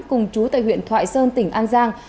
cùng chú tại huyện thoại sơn tỉnh an giang